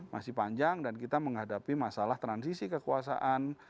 masih panjang dan kita menghadapi masalah transisi kekuasaan